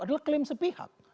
adalah klaim sepihak